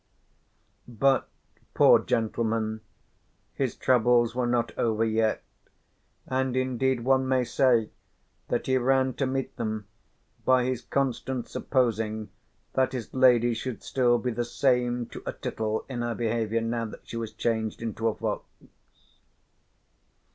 But, poor gentleman, his troubles were not over yet, and indeed one may say that he ran to meet them by his constant supposing that his lady should still be the same to a tittle in her behaviour now that she was changed into a fox.